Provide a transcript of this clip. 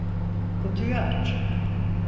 Kutuyu aç.